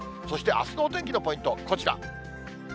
そしてあすのお天気のポイント、こちら。